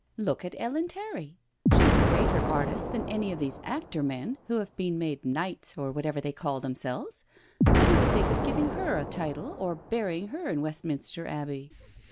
" Look at Ellen Terry I She is a greater artist than any of these actor men who have been made knights, or whatever they call themselves, but who would think of giving her a title or burying her in Westminster Abbey?